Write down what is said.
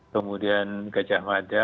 kemudian gajah mada